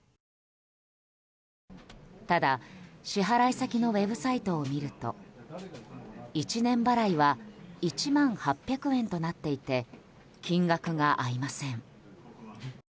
ただ、支払先のウェブサイトを見ると１年払いは１万８００円となっていて金額が合いません。